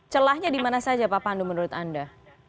celahnya di mana saja pak pandu menurut anda